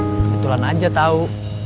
kebetulan aja tau